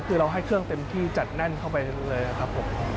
คือเราให้เครื่องเต็มที่จัดแน่นเข้าไปเลยครับผม